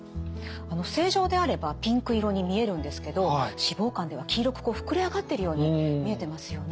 正常であればピンク色に見えるんですけど脂肪肝では黄色く膨れ上がっているように見えてますよね。